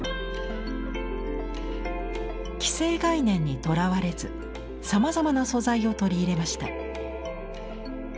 既成概念にとらわれずさまざまな素材を取り入れました。